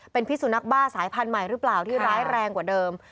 เป็นพิสุนักบ้าสายพันธุ์ใหม่หรือเปล่าที่ร้ายแรงกว่าเดิม